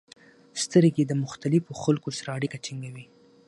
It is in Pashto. • سترګې د مختلفو خلکو سره اړیکه ټینګوي.